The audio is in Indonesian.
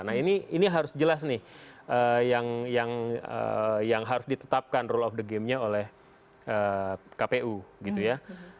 nah ini harus jelas nih yang harus ditetapkan rule of the game nya oleh kpu gitu ya